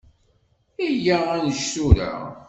Iyya ad nečč tura.